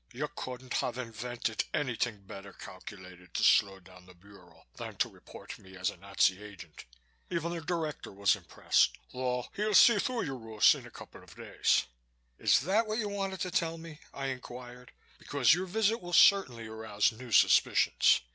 You couldn't have invented anything better calculated to slow down the Bureau than to report me as a Nazi agent. Even the Director was impressed, though he'll see through your ruse after a couple of days." "Is that what you wanted to tell me?" I inquired, "because your visit will certainly arouse new suspicions.